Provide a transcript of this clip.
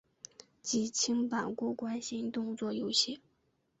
即清版过关型动作游戏。